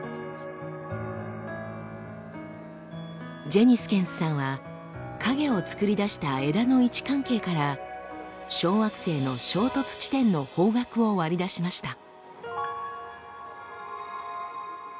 ジェニスケンスさんは影を作り出した枝の位置関係から小惑星の衝突地点の方角を割り出しました。